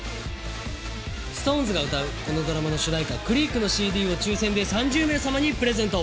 ＳｉｘＴＯＮＥＳが歌うこのドラマの主題歌『ＣＲＥＡＫ』のＣＤを抽選で３０名様にプレゼント。